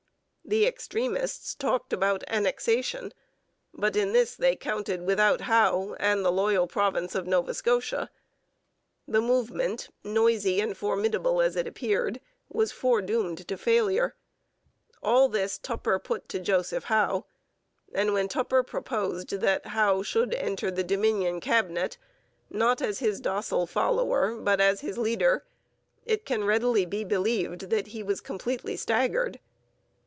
The extremists talked Annexation; but in this they counted without Howe and the loyal province of Nova Scotia. The movement, noisy and formidable as it appeared, was foredoomed to failure. All this Tupper put to Joseph Howe; and when Tupper proposed that Howe should enter the Dominion Cabinet, not as his docile follower but as his leader, it can readily be believed that he was 'completely staggered.'